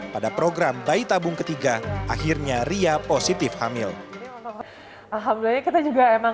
pada program bayi tabung ketiga akhirnya ria positif hamil alhamdulillah kita juga emang